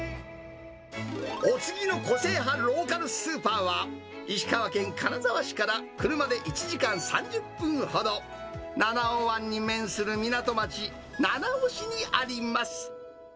お次の個性派ローカルスーパーは、石川県金沢市から車で１時間３０分ほど、七尾湾に面する港町、七尾市にあります。